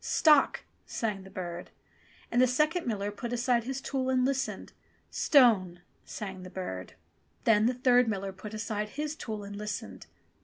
"Stock !" sang the bird. And the second miller put aside his tool and listened. "Stone," sang the bird. Then the third miller put aside his tool and listened.